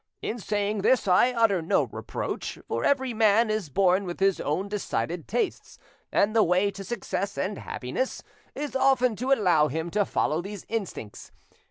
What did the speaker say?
In saying this I utter no reproach, for every man is born with his own decided tastes, and the way to success and happiness is often to allow him to follow these instincts.